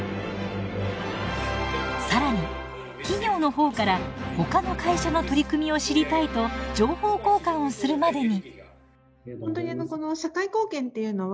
更に企業の方からほかの会社の取り組みを知りたいと情報交換をするまでに。